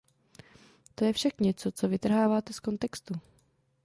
To je však něco, co vytrháváte z kontextu.